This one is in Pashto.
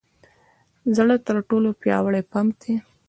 زړه تر ټولو پیاوړې پمپ دی.